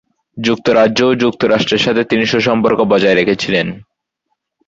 যুক্তরাজ্য ও যুক্তরাষ্ট্রের সাথে তিনি সুসম্পর্ক বজায় রেখেছিলেন।